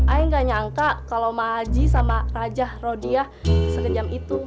ayah nggak nyangka kalau ma haji sama raja rodia sekejam itu